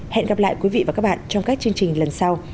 hẹn gặp lại quý vị và các bạn trong các chương trình lần sau